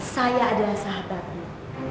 saya adalah sahabatnya